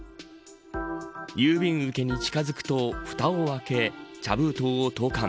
郵便受けに近づくとふたを開け、茶封筒を投函。